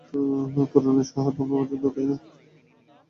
পুরানো শহর তোমার পছন্দ না, তাই না?